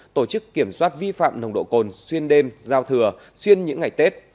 tổ chức kiểm soát vi phạm nồng độ cồn xuyên đêm giao thừa xuyên những ngày tết